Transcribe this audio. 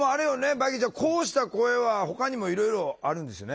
ヴァギーちゃんこうした声はほかにもいろいろあるんですよね？